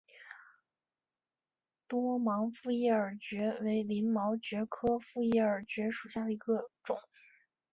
多芒复叶耳蕨为鳞毛蕨科复叶耳蕨属下的一个种。